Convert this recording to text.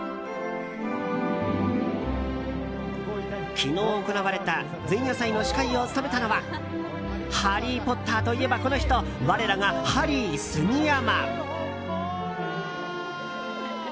昨日、行われた前夜祭の司会を務めたのは「ハリー・ポッター」といえばこの人我らがハリー杉山。